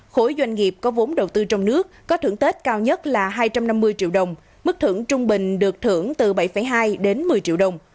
khối doanh nghiệp có vốn đầu tư trong nước có thưởng tết cao nhất là hai trăm năm mươi triệu đồng mức thưởng trung bình được thưởng từ bảy hai đến một mươi triệu đồng